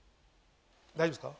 大丈夫ですか？